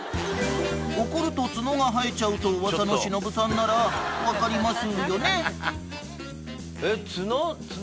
［怒ると角が生えちゃうと噂の忍さんなら分かりますよね？］角？